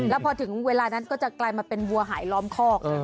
แล้วพอถึงเวลานั้นก็จะกลายมาเป็นวัวหายล้อมคอก